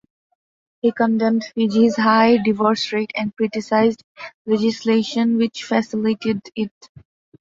He condemned Fiji's high divorce rate, and criticized legislation which facilitated it.